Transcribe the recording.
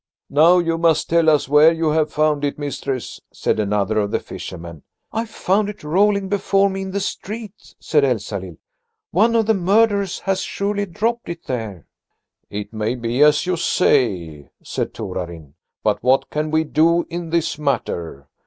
"Now you must tell us where you have found it, mistress," said another of the fishermen. "I found it rolling before me in the street," said Elsalill. "One of the murderers has surely dropped it there." "It may be as you say," said Torarin, "but what can we do in this matter?